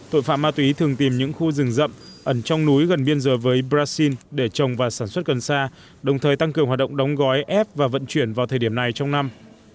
tội phạm ma túy thường tìm những khu rừng rậm ẩn trong núi gần biên giới với brazil để trồng và sản xuất gần xa đồng thời tăng cường hoạt động đóng gói ép và vận chuyển vào thời điểm này trong năm